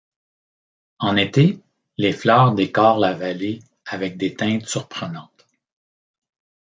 En été, les fleurs décorent la vallée avec des teintes surprenantes.